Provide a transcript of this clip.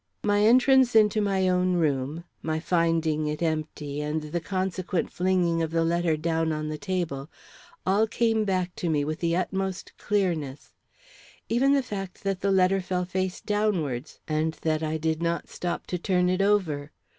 My entrance into my own room, my finding it empty, and the consequent flinging of the letter down on the table, all came back to me with the utmost clearness; even the fact that the letter fell face downwards and that I did not stop to turn it over.